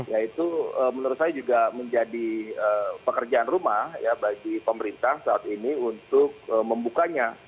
yaitu menurut saya juga menjadi pekerjaan rumah bagi pemerintah saat ini untuk membukanya